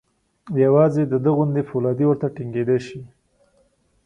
یوازې د ده غوندې فولادي ورته ټینګېدای شي.